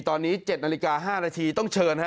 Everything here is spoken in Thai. ตอนนี้๗นาฬิกา๕นาทีต้องเชิญฮะ